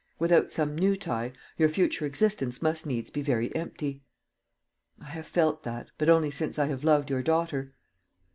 Without some new tie your future existence must needs be very empty." "I have felt that; but only since I have loved your daughter."